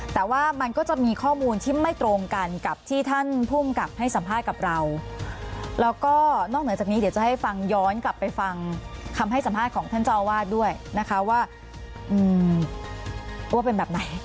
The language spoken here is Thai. แต่ว่ามันก็จะมีข้อมูลที่ไม่ตรงกันกับที่ท่านภูมิกับให้สัมภาษณ์กับเราแล้วก็นอกเหนือจากนี้เดี๋ยวจะให้ฟังย้อนกลับไปฟังคำให้สัมภาษณ์ของท่านเจ้าอาวาสด้วยนะคะว่าเป็นแบบไหน